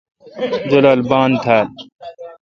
جولال بان تھا۔